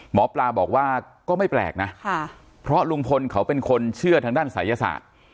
หมอปลาบอกว่าก็ไม่แปลกนะเพราะลุงพลเขาเป็นคนเชื่อทางด้านศัยศาสตร์